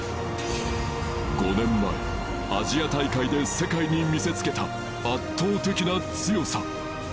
５年前アジア大会で世界に見せつけた圧倒的な強さ